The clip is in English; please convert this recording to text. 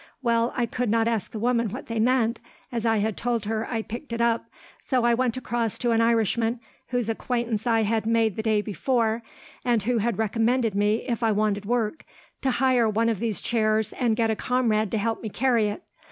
Well, I could not ask the woman what they meant, as I had told her I picked it up; so I went across to an Irishman, whose acquaintance I had made the day before, and who had recommended me, if I wanted work, to hire one of these chairs and get a comrade to help me carry it.